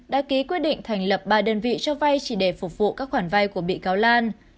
đã ký quyết định thành lập ba đơn vị cho vay chỉ để phục vụ các khoản vay của bị cáo lan